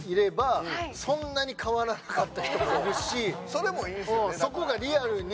それもいいんすよね